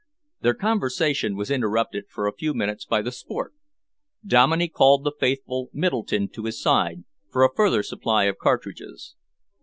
Their conversation was interrupted for a few minutes by the sport. Dominey called the faithful Middleton to his side for a further supply of cartridges.